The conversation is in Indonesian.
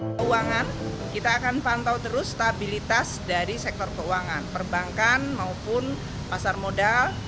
keuangan kita akan pantau terus stabilitas dari sektor keuangan perbankan maupun pasar modal